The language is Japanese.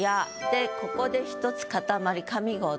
でここで１つ塊。